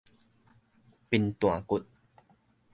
貧惰骨